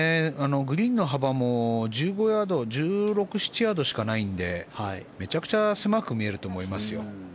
グリーンの幅も１５ヤード１６１７ヤードしかないのでめちゃくちゃ狭く見えると思いますよ。